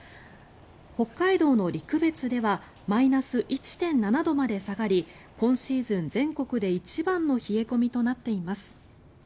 北海道の陸別ではマイナス１．７度まで下がり今シーズン全国で一番の冷え込みとなっています。